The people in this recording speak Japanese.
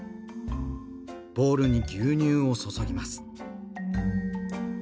ボウルに牛乳を注ぎます。